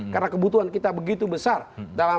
karena kebutuhan kita begitu besar dalam